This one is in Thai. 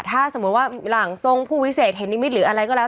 ถ้าสมมุติว่าหลังทรงผู้วิเศษเห็นนิมิตหรืออะไรก็แล้ว